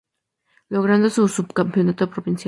Logrando un subcampeonato provincial.